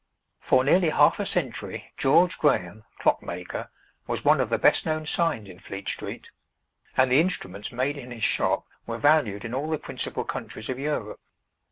For nearly half a century George Graham, Clock maker, was one of the best known signs in Fleet Street, and the instruments made in his shop were valued in all the principal countries of Europe.